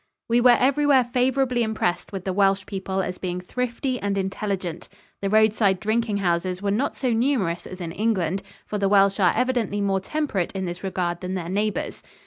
We were everywhere favorably impressed with the Welsh people as being thrifty and intelligent. The roadside drinking houses were not so numerous as in England, for the Welsh are evidently more temperate in this regard than their neighbors.